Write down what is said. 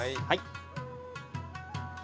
はい。